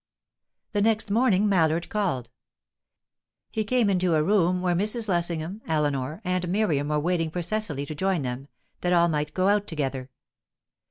The next morning Mallard called. He came into a room where Mrs. Lessingham, Eleanor, and Miriam were waiting for Cecily to join them, that all might go out together.